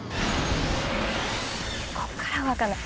こっからが分かんない。